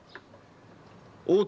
大友